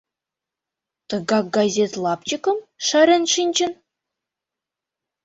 — Тыгак газет лапчыкым шарен шинчын?